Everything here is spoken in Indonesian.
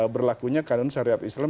berlakunya kanun syariat islam